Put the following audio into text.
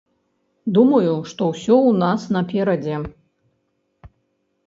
Думаю, што ўсё ў нас наперадзе.